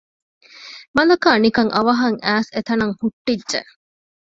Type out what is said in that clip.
މަލަކާ ނިކަން އަވަހަށް އައިސް އެތަނަށް ހުއްޓިއްޖެ